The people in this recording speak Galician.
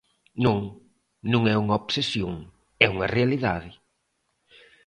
Non, non é unha obsesión, é unha realidade.